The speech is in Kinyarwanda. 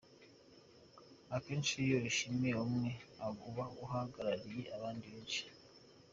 Akenshi iyo ushimiye umwe, aba ahagarariye abandi benshi.